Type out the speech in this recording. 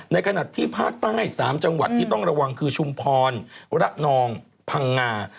ขณะที่ภาคใต้๓จังหวัดที่ต้องระวังคือชุมพรระนองพังงา